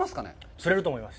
釣れると思います。